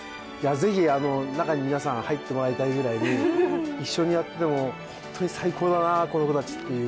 ぜひ、中に皆さん入ってもらいたいぐらい、一緒にやってても本当に最高だな、この子たちっていう。